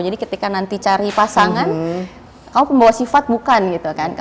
jadi ketika nanti cari pasangan kamu pembawa sifat bukan gitu kan